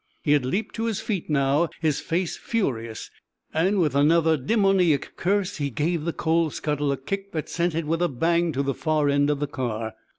He had leaped to his feet now, his face furious, and with another demoniac curse he gave the coal skuttle a kick that sent it with a bang to the far end of the car.